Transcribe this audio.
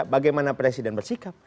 bagaimana presiden bersikap